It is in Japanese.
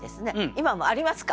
今もありますか？